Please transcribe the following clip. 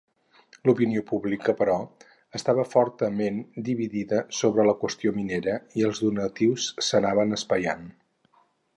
L'opinió pública, però, estava fortament dividida sobre la qüestió minera i els donatius s'anaren espaiant.